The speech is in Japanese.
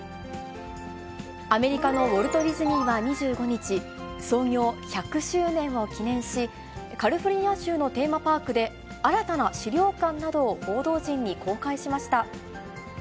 アメリカのウォルト・ディズニーは２５日、創業１００周年を記念し、カリフォルニア州のテーマパークで、新たな資料館などを報道陣に公開しました。